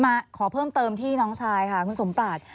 มาขอเพิ่มเติมที่น้องชายค่ะคุณสมปราช